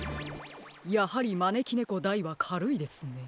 やはりまねきねこ・大はかるいですね。